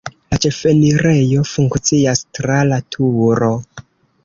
La ĉefenirejo funkcias tra la turo.